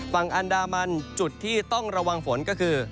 ฝั่งอันดามันจุดที่ต้องระวังฝนก็คือ